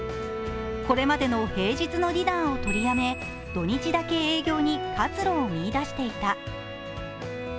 これまでの平日のディナーをとりやめ、土日だけ営業に活路を見いだしていた。